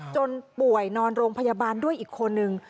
จนป่วยนอนโรงพยาบาลด้วยอีกคนนึง